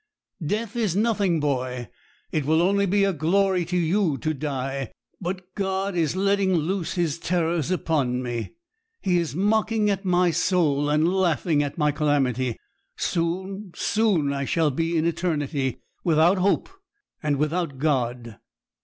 Death is nothing, boy; it will be only a glory to you to die. But God is letting loose His terrors upon me; He is mocking at my soul, and laughing at my calamity. Soon, soon I shall be in eternity, without hope, and without God.'